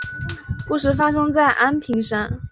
故事发生在安平山。